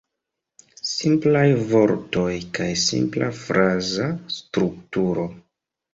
Simplaj vortoj kaj simpla fraza strukturo.